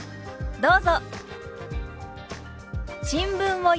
どうぞ。